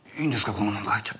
このまま帰っちゃって。